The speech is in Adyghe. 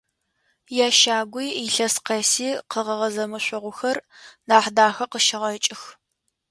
Ящагуи илъэс къэси къэгъэгъэ зэмышъогъухэр Нахьдахэ къыщегъэкӏых.